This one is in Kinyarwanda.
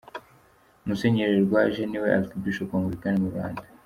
Musenyeri Rwaje ni we Archbishop wa Angilikani mu Rwanda.